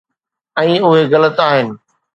۽ اهي غلط آهن.